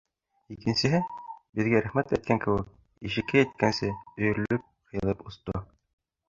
Икенсеһе, беҙгә рәхмәт әйткән кеүек, ишеккә еткәнсе, өйө-рөлөп, ҡыйылып осто.